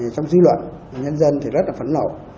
trong dư luận nhân dân thì rất là phấn lậu